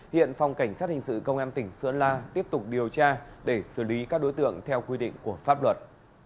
hiện phòng cảnh sát hình sự công an tỉnh sơn la tiếp tục điều tra để xử lý các đối tượng theo quy định của pháp luật